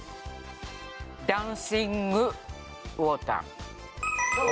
ダンシングウォーター。